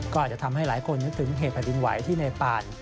ก็อาจจะทำให้หลายคนนึกถึงเหตุแผ่นดินไหวที่ในป่าน